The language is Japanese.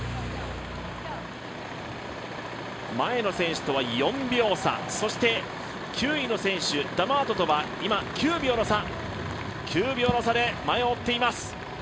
前の選手とは４秒差そして９位の選手、ダマートとは今、９秒の差で前を追っています。